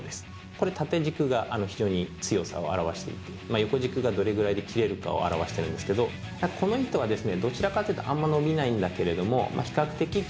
これ縦軸が非常に強さを表していて横軸がどれぐらいで切れるかを表してるんですけどという糸になります。